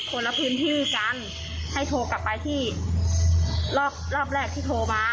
คนละพื้นที่กันให้โทรกลับไปที่รอบรอบแรกที่โทรมา